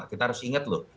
kita harus ingat loh